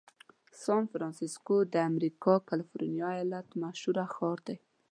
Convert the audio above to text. سان فرنسیسکو د امریکا کالفرنیا ایالت مشهوره ښار دی.